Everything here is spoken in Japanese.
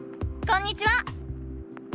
こんにちは！